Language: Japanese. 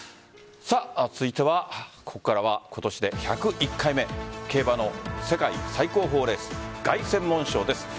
続いては、ここからは今年で１０１回目競馬の世界最高峰レース凱旋門賞です。